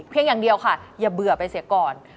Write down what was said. อย่างเดียวค่ะอย่าเบื่อไปเสียก่อน